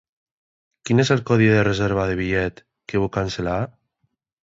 Quin és el codi de reserva del bitllet que vol cancel·lar?